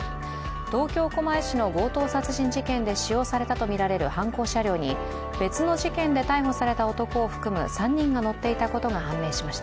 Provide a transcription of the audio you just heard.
東京・狛江市の強盗殺人事件で使用されたとみられる犯行車両に別の事件で逮捕された男を含む３人が乗っていたことが判明しました。